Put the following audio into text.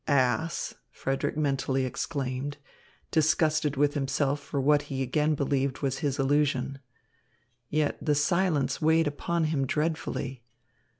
"Ass!" Frederick mentally exclaimed, disgusted with himself for what he again believed was his illusion. Yet the silence weighed upon him dreadfully.